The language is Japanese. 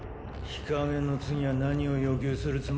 日陰の次は何を要求するつもりだ？